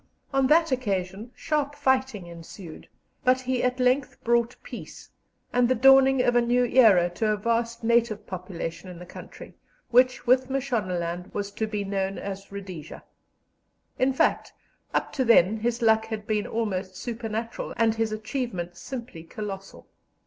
On that occasion sharp fighting ensued, but he at length brought peace, and the dawning of a new era to a vast native population in the country, which, with Mashonaland, was to be known as Rhodesia. In fact, up to then his luck had been almost supernatural and his achievements simply colossal.